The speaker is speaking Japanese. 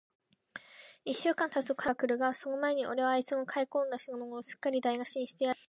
一週間たつとかんじょうの日が来るが、その前に、おれはあいつの買い込んだ品物を、すっかりだいなしにしてやるんだ。